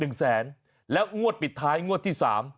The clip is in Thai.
และมันรับทางคืองวดปิดท้ายกวดที่สาม